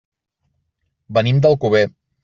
Venim d'Alcover.